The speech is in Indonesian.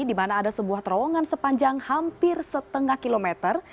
di mana ada sebuah terowongan sepanjang hampir setengah kilometer